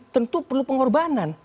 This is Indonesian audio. tentu perlu pengorbanan